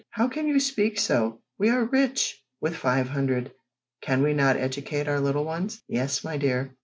How can you speak so? We are rich with five hundred. Can we not educate our little ones?" "Yes, my dear."